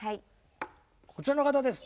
こちらの方です。